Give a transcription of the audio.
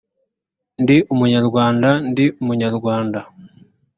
ndi umunyarwanda ndi umunyarwanda